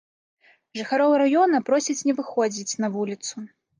Жыхароў раёна просяць не выходзіць на вуліцу.